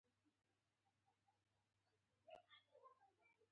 اپلاتون دا مفهوم په خپله فلسفه کې ځای کړی دی